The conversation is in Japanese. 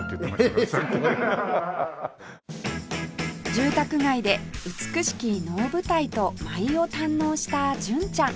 住宅街で美しき能舞台と舞を堪能した純ちゃん